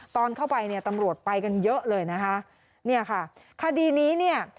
ตอนเข้าไปเนี่ยตำรวจไปกันเยอะเลยนะคะเนี่ยค่ะคดีนี้เนี่ย